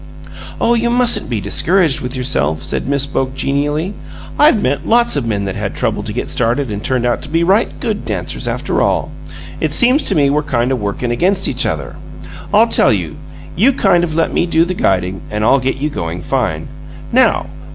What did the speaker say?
"Oh, you mustn't be discouraged with yourself," said Miss Boke, genially. "I've met lots of Men that had trouble to get started and turned out to be right good dancers, after all. It seems to me we're kind of workin' against each other. I'll tell you you kind of let me do the guiding and I'll get you going fine. Now!